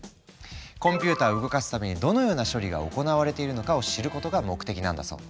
コンピューターを動かすためにどのような処理が行われているのかを知ることが目的なんだそう。